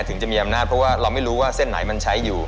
ถึงจะมีอำนาจเพราะว่าเราไม่รู้ว่าเส้นไหนมันใช้อยู่